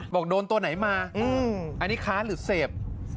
บอกโดนตัวไหนมาอันนี้ค้าหรือเสพ